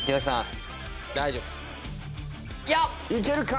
いけるか？